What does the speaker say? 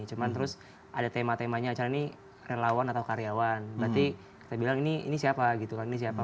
cuma terus ada tema temanya acara ini relawan atau karyawan berarti kita bilang ini siapa